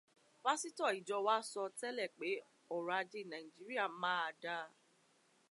Pásítọ̀ ìjọ wa sọ tẹ́lẹ̀ pé ọrọ̀ ajé Nàíjíríà ma da.